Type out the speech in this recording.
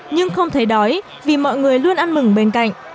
nhưng không thấy đói vì mọi người luôn ăn mừng bên cạnh